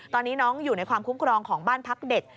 ตอนนี้น้องอยู่ในความคุ้มครองของบ้านพักเด็ก